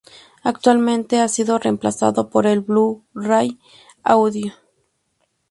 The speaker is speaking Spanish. Actualmente ha sido reemplazado por el Blu-ray Audio.